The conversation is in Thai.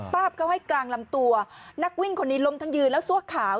ป้าบเข้าให้กลางลำตัวนักวิ่งคนนี้ล้มทั้งยืนแล้วซั่วขาว